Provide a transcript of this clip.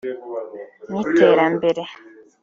nk’iterambere